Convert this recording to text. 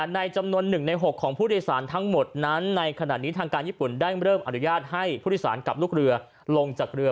ในจำนวน๑ใน๖ของผู้โดยสารทั้งหมดนั้นในขณะนี้ทางการญี่ปุ่นได้เริ่มอนุญาตให้ผู้โดยสารกับลูกเรือลงจากเรือ